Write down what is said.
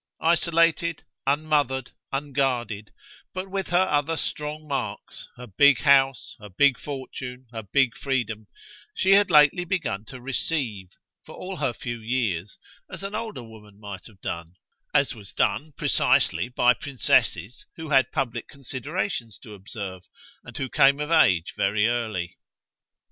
Isolated, unmothered, unguarded, but with her other strong marks, her big house, her big fortune, her big freedom, she had lately begun to "receive," for all her few years, as an older woman might have done as was done, precisely, by princesses who had public considerations to observe and who came of age very early.